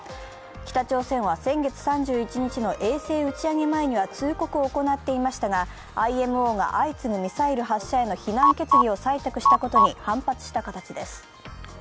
北朝鮮は先月３１日の衛星打ち上げ前には通告を行っていましたがＩＭＯが相次ぐミサイル発射への非難決議を採択したことに反発した形です。